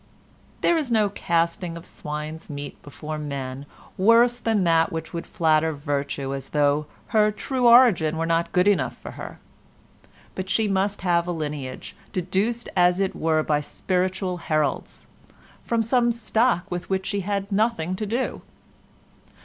There is no casting of swine's meat before men worse than that which would flatter virtue as though her true origin were not good enough for her, but she must have a lineage, deduced as it were by spiritual heralds, from some stock with which she has nothing to do.